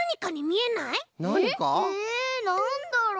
えなんだろう？